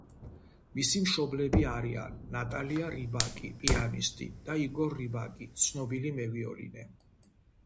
მისი მშობლები არიან ნატალია რიბაკი, პიანისტი, და იგორ რიბაკი, ცნობილი მევიოლინე.